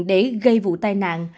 để gây vụ tai nạn